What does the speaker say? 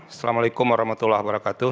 assalamu'alaikum warahmatullahi wabarakatuh